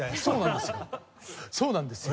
そうなんですよ。